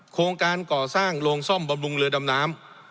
โครงการก่อสร้างโรงซ่อมบำรุงเรือดำน้ำ